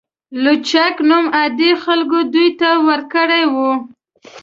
لوچک نوم عادي خلکو دوی ته ورکړی و.